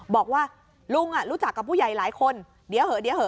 บอกว่าลุงรู้จักกับผู้ใหญ่หลายคนเดี๋ยวเหอะเดี๋ยวเหอ